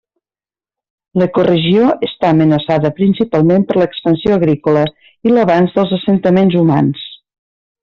L'ecoregió està amenaçada principalment per l'expansió agrícola i l'avanç dels assentaments humans.